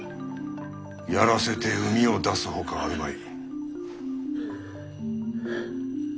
やらせて膿を出すほかあるまい。